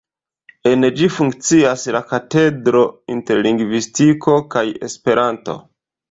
En ĝi funkcias la Katedro Interlingvistiko kaj Esperanto.